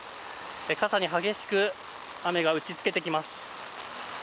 傘に激しく雨が打ちつけてきます。